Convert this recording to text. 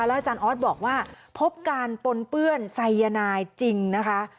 อาจารย์ออสบอกว่าพบการปนเปื้อนไซยานายจริงนะคะ